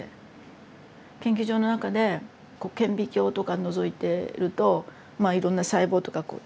研究所の中で顕微鏡とかのぞいてるとまあいろんな細胞とかこう。